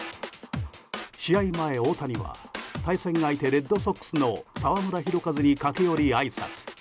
試合前、大谷は対戦相手、レッドソックスの澤村拓一に駆け寄り、あいさつ。